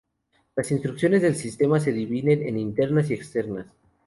Las instrucciones del sistema se dividen en internas y externas.